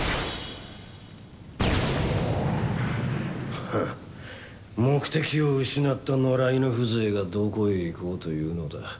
フン目的を失った野良犬風情がどこへ行こうというのだ。